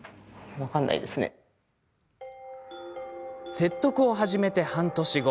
説得を始めて半年後。